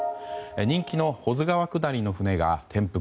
人気の保津川下りの船が転覆。